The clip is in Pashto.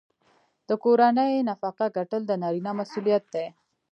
د کورنۍ نفقه ګټل د نارینه مسوولیت دی.